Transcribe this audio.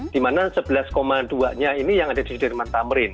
di mana sebelas dua nya ini yang ada di sudirman tamrin